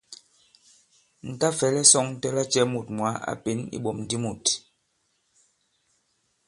Ǹ ta-fɛ̀lɛ sɔ̄ŋtɛ lacɛ̄ mût mwǎ a pěn iɓɔ̀m di mût!